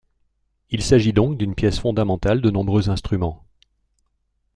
Il s'agit donc d'une pièce fondamentale de nombreux instruments.